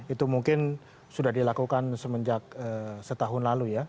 itu mungkin sudah dilakukan semenjak setahun lalu ya